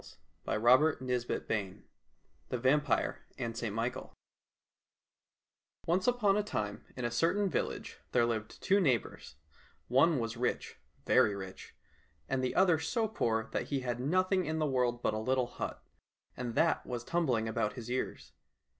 80 THE VAMPIRE AND ST MICHAEL THE VAMPIRE AND ST MICHAEL ONCE upon a time in a certain village there lived two neighbours ; one was rich, very rich, and the other so poor that he had nothing in the world but a little hut, and that was tumbling about his ears.